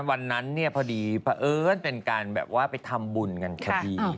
วันนั้นเนี่ยพอดีเพราะเอิญเป็นการแบบว่าไปทำบุญกันพอดี